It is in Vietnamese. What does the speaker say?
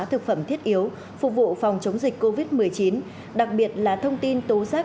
thực phẩm thiết yếu phục vụ phòng chống dịch covid một mươi chín đặc biệt là thông tin tố giác